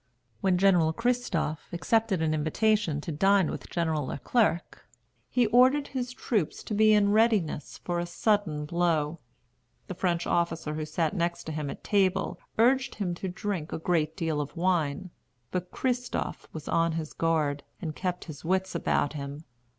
When General Christophe accepted an invitation to dine with General Le Clerc, he ordered his troops to be in readiness for a sudden blow. The French officer who sat next him at table urged him to drink a great deal of wine; but Christophe was on his guard, and kept his wits about him.